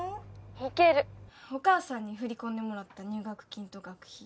いけるお母さんに振り込んでもらった入学金と学費